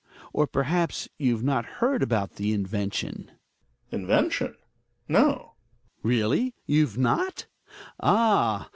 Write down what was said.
Or, perhaps, you've not heard about the invention ? Gregers. Invention? No. Hjalmar. Really? You've not? Ah!